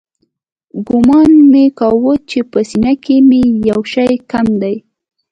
ګومان مې کاوه چې په سينه کښې مې يو شى کم دى.